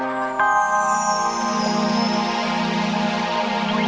tolong ada yang mau melahirkan